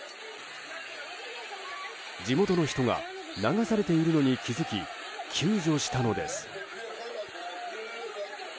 地元の人が流されているのに気づき救助したのです。